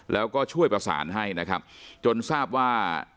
แล้วก็ช่วยประสานให้นะครับจนทราบว่า